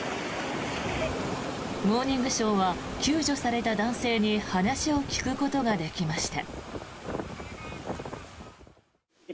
「モーニングショー」は救助された男性に話を聞くことができました。